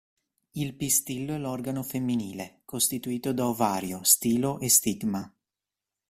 Il pistillo è l'organo femminile, costituito da ovario, stilo e stigma.